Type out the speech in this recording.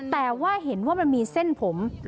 แต่ว่าเห็นว่ามันมีเส้นผม